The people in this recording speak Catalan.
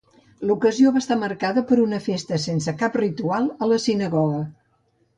L'ocasió va estar marcada per una festa sense cap ritual a la sinagoga.